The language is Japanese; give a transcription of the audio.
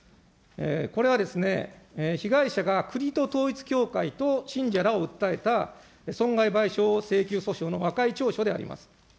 これは被害者が国と統一教会と信者らを訴えた、損害賠償請求訴訟の和解調書であります。